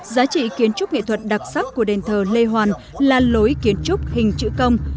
giá trị kiến trúc nghệ thuật đặc sắc của đền thờ lê hoàn là lối kiến trúc hình chữ công